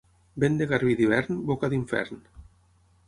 Vent de garbí d'hivern, boca d'infern.